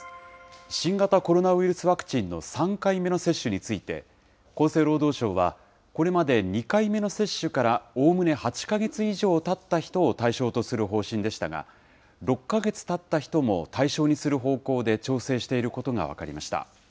新型コロナウイルスワクチンの３回目の接種について、厚生労働省はこれまで２回目の接種からおおむね８か月以上たった人を対象とする方針でしたが、６か月たった人も対象にする方向で調整していることが分かりました。